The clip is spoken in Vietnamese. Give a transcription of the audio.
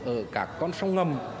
ở các con sông ngầm